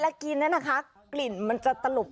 เวลากินกลิ่นมันจะตลบ